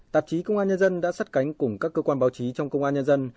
tạp chí công an nhân dân đã sắt cánh cùng các cơ quan báo chí trong công an nhân dân